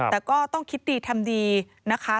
แต่ก็ต้องคิดดีทำดีนะคะ